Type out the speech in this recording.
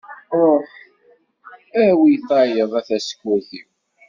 Ruḥ, awi tayeḍ a tasekkurt-iw.